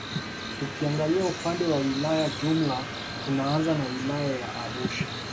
Tukiangalia upande wa wilaya jumla tunaanza na wilaya ya Arusha